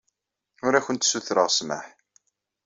Ur awent-ssutureɣ ssmaḥ.